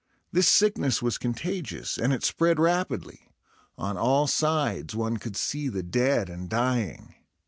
This sickness was contagious, and it spread rapidly. On all sides one could see the dead and dying.